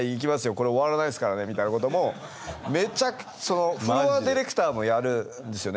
これ終わらないですからねみたいなこともフロア・ディレクターもやるんですよね